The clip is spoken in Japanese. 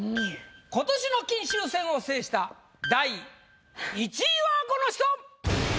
今年の金秋戦を制した第１位はこの人！